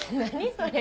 それ。